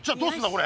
これ。